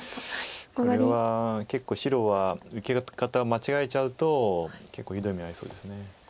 これは結構白は受け方を間違えちゃうと結構ひどい目に遭いそうです。